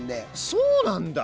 そうなんだ！